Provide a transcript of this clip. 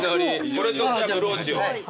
これとブローチを。